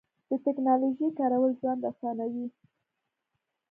د تکنالوژۍ کارول ژوند اسانوي.